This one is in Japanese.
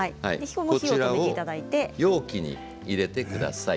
こちらを容器に入れてください。